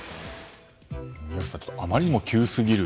宮家さん、あまりにも急すぎる。